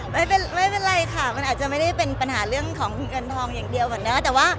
ไม่เป็นไรค่ะมันอาจจะไม่ได้เป็นปัญหาเรื่องของเงินทองอย่างเดียว